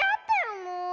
もう。